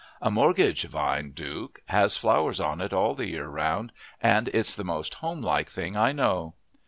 A mortgage vine, Duke, has flowers on it all the year round, and it's the most homelike thing I know."